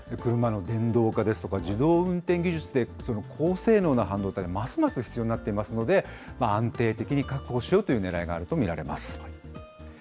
車の電動化ですとか、自動運転技術で高性能な半導体がますます必要になってますので、安定的に確保しようというねらいがあると見られます。